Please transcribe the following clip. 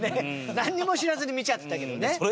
なんにも知らずに見ちゃってたけどね。